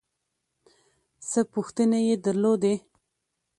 څه پوښتنې یې درلودې.